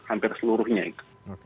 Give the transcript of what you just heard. hampir seluruhnya itu